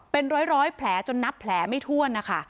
เป็นร้อยแผลจนนับแผลไม่ถ้วนนะคะ